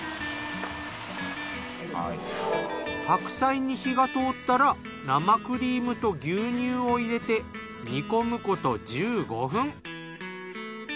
白菜に火が通ったら生クリームと牛乳を入れて煮込むこと１５分。